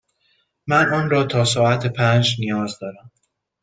من آن را تا ساعت پنج نیاز دارم.